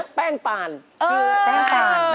ใช่แป้งปานนะ